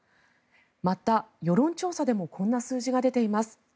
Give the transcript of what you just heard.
また、世論調査でもこんな数字が出ています。